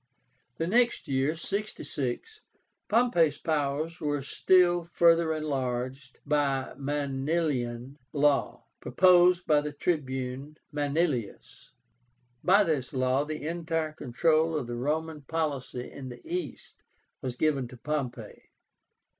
The next year (66) Pompey's powers were still further enlarged by the MANILIAN LAW, proposed by the Tribune Manilius. By this law the entire control of the Roman policy in the East was given to Pompey.